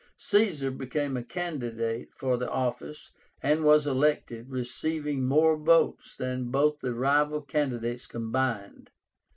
Caesar became a candidate for the office, and was elected, receiving more votes than both the rival candidates combined.